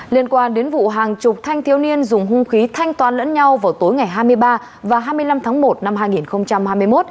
liên quan đến vụ hàng chục thanh thiếu niên dùng hung khí thanh toán lẫn nhau vào tối ngày hai mươi ba và hai mươi năm tháng một năm hai nghìn hai mươi một